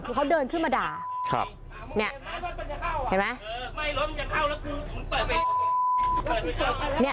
คือเขาเดินขึ้นมาด่า